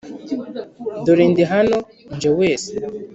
dore ndi hano nje wese